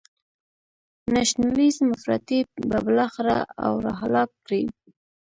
نشنلیزم افراطی به بالاخره او را هلاک کړي.